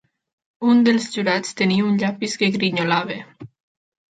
Un dels jurats tenia un llapis que grinyolava.